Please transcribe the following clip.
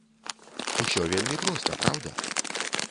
Усё вельмі проста, праўда?